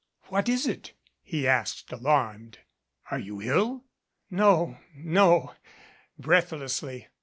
"What is it?" he asked, alarmed. "Are you ill?" "No, no," breathlessly.